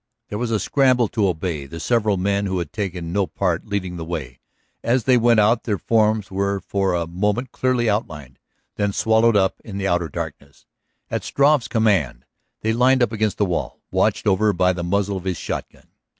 There was a scramble to obey, the several men who had taken no part leading the way. As they went out their forms were for a moment clearly outlined, then swallowed up in the outer darkness. At Struve's command they lined up against the wall, watched over by the muzzle of his shotgun.